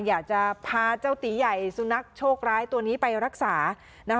อยากจะพาเจ้าตีใหญ่สุนัขโชคร้ายตัวนี้ไปรักษานะคะ